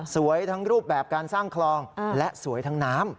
ทั้งรูปแบบการสร้างคลองและสวยทั้งน้ำ